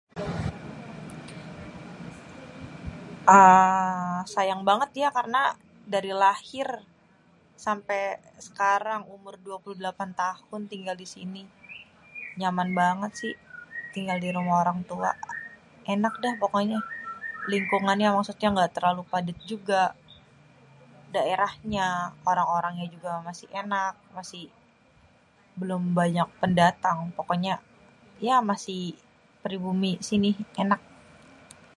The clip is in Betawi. Aaa... sayang banget ya karena dari lahir sampé sekarang umur 28 tahun tinggal disini nyaman banget si, tinggal dirumah orang tua enak dah pokoknya. Lingkungannya maksudnya gak terlalu padét juga, daerahnya, orang-orangnya juga masih enak, masih belum banyak pendatang pokoknya ya masih pribumi sini enak.